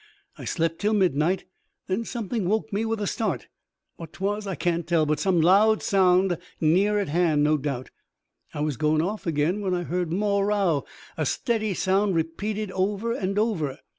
I slept till midnight; then something woke me with a start. What 'twas, I can't tell, but some loud sound near at hand, no doubt. I was going off again when I heard more row a steady sound repeated over and over.